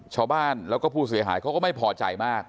ชาวบ้านแล้วก็ผู้เสียหายเขาก็ไม่พอใจมาก